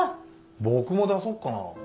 僕も出そっかな。